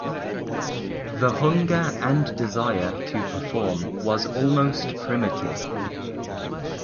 The hunger and desire to perform was almost primitive.